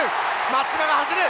松島が走る！